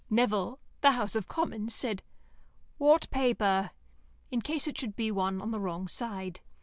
Nevill (the House of Commons) said, "What paper?" in case it should be one on the wrong side.